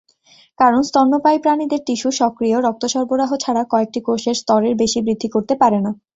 কারণ স্তন্যপায়ী প্রাণীদের টিস্যু সক্রিয় রক্ত সরবরাহ ছাড়া কয়েকটি কোষের স্তরের বেশি বৃদ্ধি করতে পারে না।